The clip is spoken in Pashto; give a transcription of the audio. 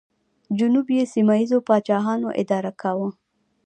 جنوب یې سیمه ییزو پاچاهانو اداره کاوه